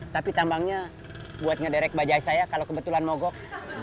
tapi tambangnya buat ngederek bajai saya kalau kebetulan mogok